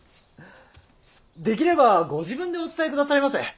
できればご自分でお伝えくださいませ。